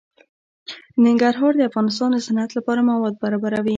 ننګرهار د افغانستان د صنعت لپاره مواد برابروي.